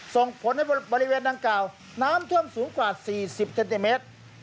ส่งผลให้บริเวณดังกล่าวน้ำท่วมสูงกว่า๔๐เซนติเมตร